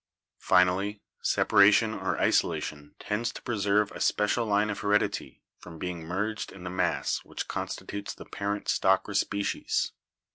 Finally, separation or iso lation tends to preserve a special line of heredity from being merged in the mass which constitutes the parent stock or species.